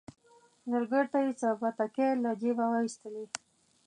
زرګر ته یې څه بتکۍ له جیبه وایستلې.